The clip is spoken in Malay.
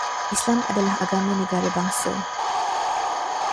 Islam adalah agama negara bangsa